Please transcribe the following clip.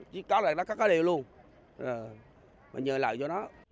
chỉ có là nó có cái điều luôn mình nhờ lại cho nó